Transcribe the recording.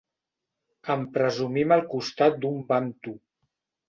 En presumim al costat d'un bantu.